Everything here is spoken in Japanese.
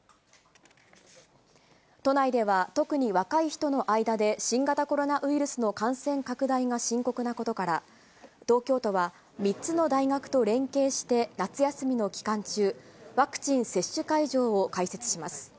都内では特に若い人の間で、新型コロナウイルスの感染拡大が深刻なことから、東京都は、３つの大学と連携して、夏休みの期間中、ワクチン接種会場を開設します。